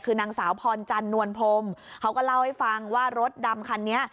คือนางสาวพรจันนวลพรมเขาก็เล่าให้ฟังว่ารถดำคันนี้